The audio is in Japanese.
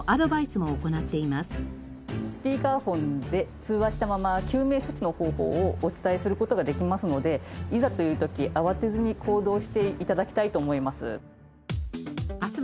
スピーカーフォンで通話したまま救命処置の方法をお伝えする事ができますのでいざという時慌てずに行動して頂きたいと思います。